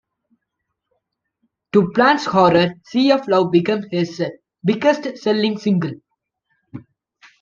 To Plant's horror, "Sea of Love" became his biggest-selling single.